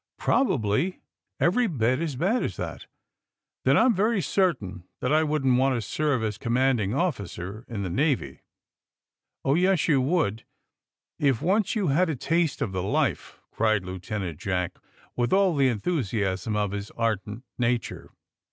*' Probably every bit as bad as that." ^'Then I'm very certain tliat I wouldn't want to serve as commanding officer in the Navy!" ^' Oh, yes, you would, if once you had a taste of the life!" cried Lieutenant Jack, with all the enthusiasm of his ardent nature.